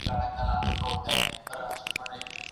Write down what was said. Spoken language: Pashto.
خپل معیار باید پر بل چا ونه تپل سي.